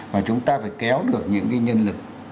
và chúng ta phải kéo được những nhân lực